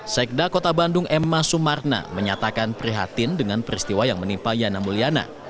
sekda kota bandung emma sumarna menyatakan prihatin dengan peristiwa yang menimpa yana mulyana